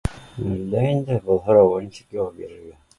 Әллә инде был һорауға нисек яуап бирергә